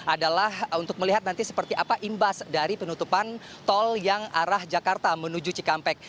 adalah untuk melihat nanti seperti apa imbas dari penutupan tol yang arah jakarta menuju cikampek